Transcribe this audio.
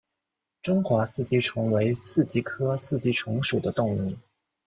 中华四极虫为四极科四极虫属的动物。